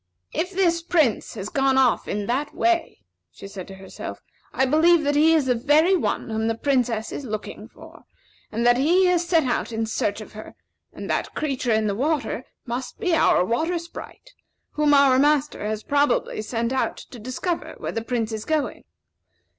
"If this Prince has gone off in that way," she said to herself, "I believe that he is the very one whom the Princess is looking for, and that he has set out in search of her; and that creature in the water must be our Water Sprite, whom our master has probably sent out to discover where the Prince is going.